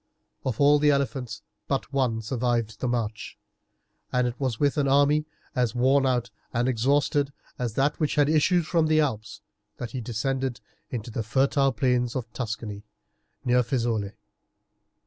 Of all the elephants but one survived the march, and it was with an army as worn out and exhausted as that which had issued from the Alps that he descended into the fertile plains of Tuscany, near Fiesole.